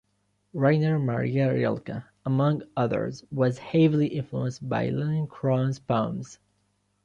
Rainer Maria Rilke, among others, was heavily influenced by Liliencron's poems.